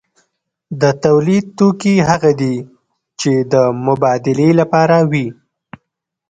د تولید توکي هغه دي چې د مبادلې لپاره وي.